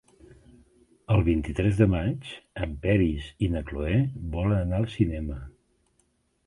El vint-i-tres de maig en Peris i na Cloè volen anar al cinema.